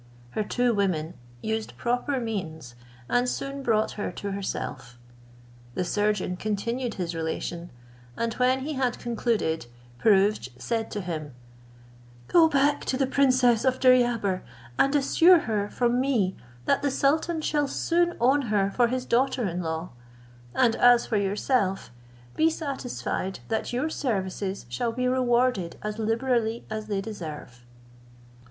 Her two women used proper means, and soon brought her to herself. The surgeon continued his relation; and when he had concluded, Pirouzč said to him, "Go back to the princess of Deryabar, and assure her from me that the sultan shall soon own her for his daughter in law; and as for yourself, be satisfied, that your services shall be rewarded as liberally as they deserve."